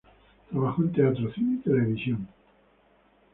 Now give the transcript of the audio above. Trabajó en teatro, cine y televisión.